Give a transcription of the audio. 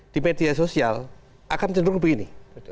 di media sosial akan cenderung begini